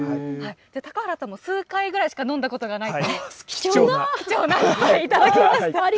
高原さんも数回ぐらいしか飲んだことがないという、貴重な、頂きました。